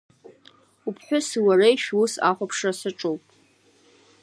Уԥҳәыси уареи шәус ахәаԥшра саҿуп.